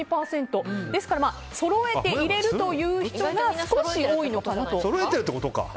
ですからそろえて入れるという人が少し多いのかなと。